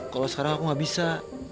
kalo sekarang aku gak bisa